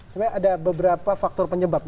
sebenarnya ada beberapa faktor penyebab